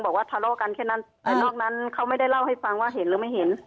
บอกว่าทะเลาะกันแค่นั้นแต่นอกนั้นเขาไม่ได้เล่าให้ฟังว่าเห็นหรือไม่เห็น